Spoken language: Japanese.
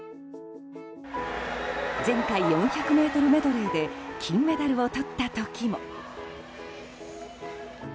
前回４００ｍメドレーで金メダルをとった時も。